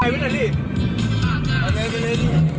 บิลลี่